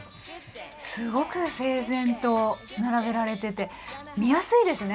すごく整然と並べられてて見やすいですね。